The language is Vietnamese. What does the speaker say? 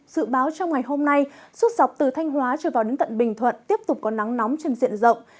dự báo trong ngày hôm nay suốt dọc từ thanh hóa trở vào đến tận bình thuận tiếp tục có nắng nóng trên diện rộng